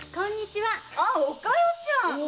ああおかよちゃん！